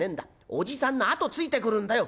おじさんの後ついてくるんだよ」。